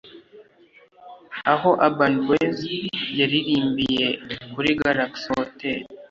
Aho Urban Boyz yaririmbiye kuri Galaxy Hotel